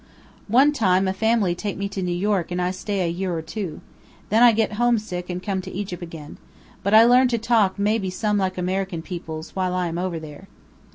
"One time a family take me to New York and I stay a year or two. Then I get homesick and come to Egypt again. But I learn to talk maybe some like American peoples while I am over there."